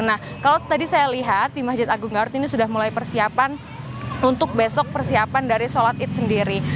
nah kalau tadi saya lihat di masjid agung garut ini sudah mulai persiapan untuk besok persiapan dari sholat id sendiri